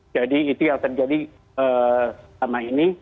jadi itu yang terjadi selama ini